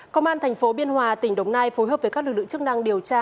công an thành phố biên hòa tỉnh đồng nai phối hợp với các lực lượng chức năng điều tra